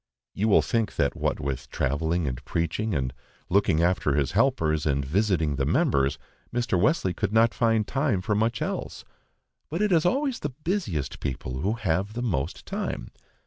You will think that what with travelling and preaching, and looking after his helpers, and visiting the members, Mr. Wesley could not find time for much else. But it is always the busiest people who have the most time.